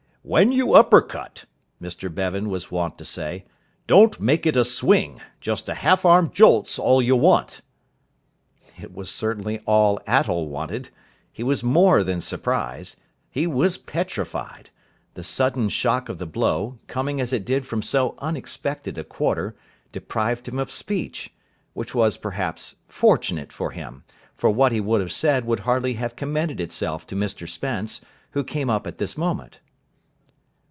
"When you upper cut," Mr Bevan was wont to say, "don't make it a swing. Just a half arm jolt's all you want." It was certainly all Attell wanted. He was more than surprised. He was petrified. The sudden shock of the blow, coming as it did from so unexpected a quarter, deprived him of speech: which was, perhaps, fortunate for him, for what he would have said would hardly have commended itself to Mr Spence, who came up at this moment.